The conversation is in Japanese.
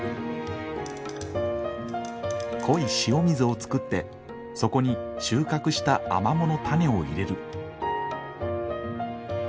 濃い塩水を作ってそこに収穫したアマモの種を入れる。